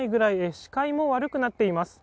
視界も悪くなっています。